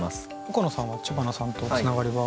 岡野さんは知花さんとつながりはありますか？